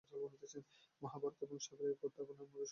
মহাভারত এই সাবিত্রীর উপাখ্যানের মত শত শত মনোহর উপাখ্যানে পূর্ণ।